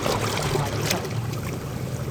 我話你得